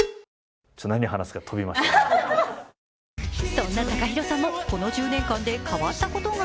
そんなＴＡＫＡＨＩＲＯさんもこの１０年間で変わったことが